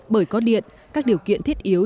bởi có điện các điều kiện thiết yếu